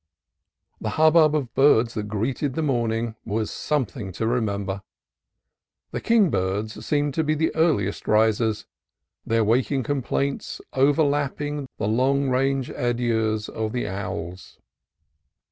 The hubbub of birds that greeted the morning was something to remember. The kingbirds seemed to be the earliest risers, their waking complaints overlapping the long range adieus of the owls.